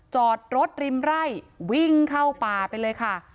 จอดรถริมไร่วิ่งเข้าป่าไปเลยค่ะ